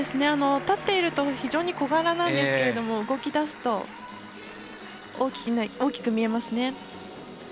立っていると非常に小柄なんですけども動き出すと大きく見えますね。